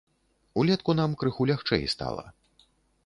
Улетку нам крыху лягчэй стала.